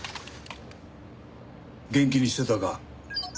元気にしてたか？